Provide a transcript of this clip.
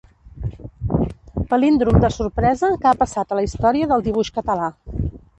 Palíndrom de sorpresa que ha passat a la història del dibuix català.